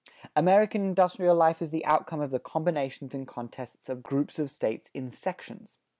American industrial life is the outcome of the combinations and contests of groups of States in sections.